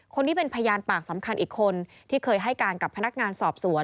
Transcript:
คนนี้เป็นพยานปากสำคัญอีกคนที่เคยให้การกับพนักงานสอบสวน